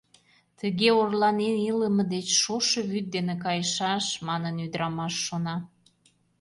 Тыге орланен илыме деч шошо вӱд дене кайыша-а-аш, — манын, марий ӱдырамаш шона.